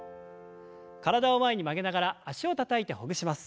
体を前に曲げながら脚をたたいてほぐします。